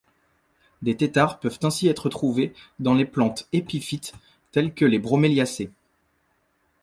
Des têtards peuvent ainsi être trouvés dans les plantes épiphytes telles que des broméliacées.